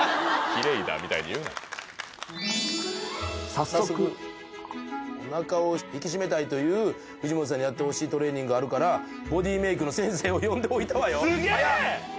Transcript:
「早速おなかを引き締めたいという藤本さんにやってほしいトレーニングあるからボディーメークの先生を呼んでおいたわよ」